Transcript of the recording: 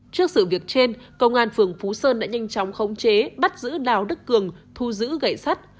trước sự việc trên công an phường phú sơn đã nhanh chóng khống chế bắt giữ đào đức cường thu giữ gậy sắt